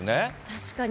確かに。